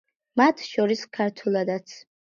მათ შორის ქართულადაც.